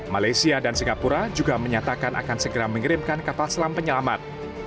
malaysia dan singapura juga menyatakan akan segera mengirimkan kapal selam penyelamat